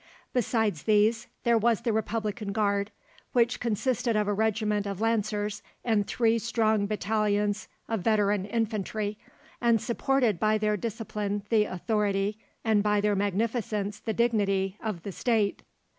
Besides these there was the Republican Guard, which consisted of a regiment of Lancers and three strong battalions of veteran infantry and supported by their discipline the authority, and by their magnificence the dignity, of the State.